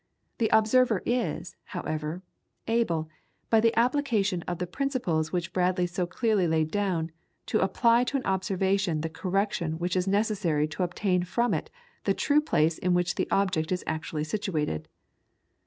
The observer is, however, able, by the application of the principles which Bradley so clearly laid down, to apply to an observation the correction which is necessary to obtain from it the true place in which the object is actually situated.